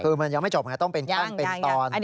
คือมันยังไม่จบไงต้องเป็นขั้นเป็นตอน